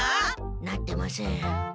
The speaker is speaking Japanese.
なってません。